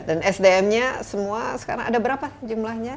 dan sdm nya semua sekarang ada berapa jumlahnya